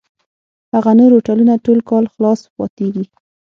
هغه نور هوټلونه ټول کال خلاص پاتېږي.